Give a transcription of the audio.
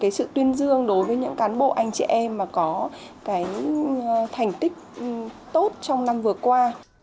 đó là những sự tuyên dương đối với những cán bộ anh chị em mà có thành tích tốt trong năm vừa qua